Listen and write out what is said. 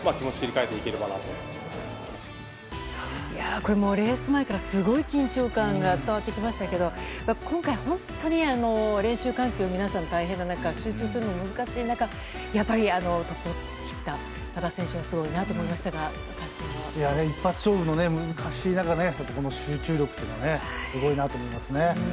これ、レース前からすごい緊張感が伝わってきましたけど今回、本当に練習環境皆さん大変な中集中するのも難しい中やっぱりトップを切った多田選手はすごいなと思いましたが一発勝負の難しい中この集中力というのはすごいなと思いますね。